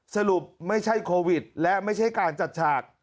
สรุปไม่ใช่โควิดและไม่ใช่การจัดฉาก